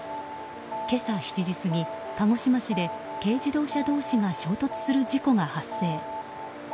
今朝７時過ぎ、鹿児島市で軽自動車同士が衝突する事故が発生。